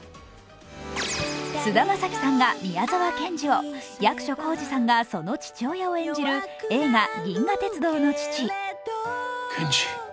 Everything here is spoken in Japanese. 菅田将暉さんが宮沢賢治を、役所広司さんがその父親を演じる映画「銀河鉄道の父」。